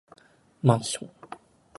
マンション